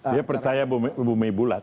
dia percaya bumi bulat